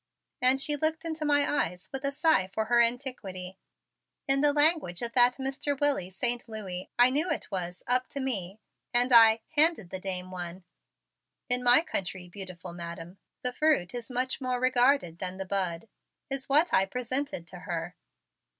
And she looked into my eyes with a sigh for her antiquity. In the language of that Mr. Willie Saint Louis I knew it was "up to me," and I "handed the dame one." "In my country, beautiful Madam, the fruit is much more regarded than the bud," is what I presented to her.